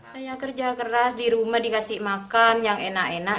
saya kerja keras di rumah dikasih makan yang enak enak